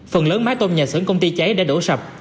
phần lớn mái tôn nhà xưởng công ty cháy đã đổ sập